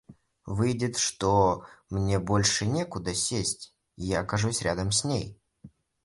Выйдет, что мне больше некуда сесть, и я окажусь рядом с ней.